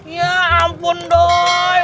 ya ampun doi